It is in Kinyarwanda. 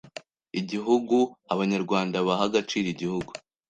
Igihu g u Abanyarwanda baha agaciro Igihugu